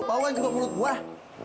bau kan juga mulut buah